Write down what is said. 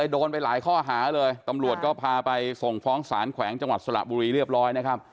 โดนไปหลายข้อหาเลยตำรวจก็พาไปส่งฟ้องสารแขวงจังหวัดสระบุรีเรียบร้อยนะครับ